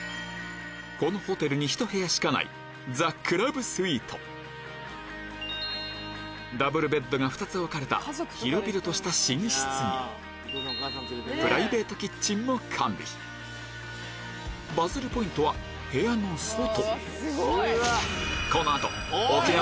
このホテルにひと部屋しかないダブルベッドが２つ置かれた広々とした寝室にプライベートキッチンも完備バズリポイントは部屋の外